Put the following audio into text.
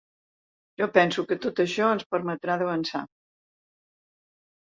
Jo penso que tot això ens permetrà d’avançar.